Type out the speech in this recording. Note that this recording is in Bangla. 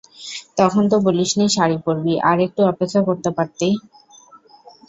তখনতো বলিস নি শাড়ী পড়বি, আর একটু অপেক্ষা করতে পারতি।